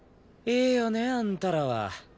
いいよねあんたらは。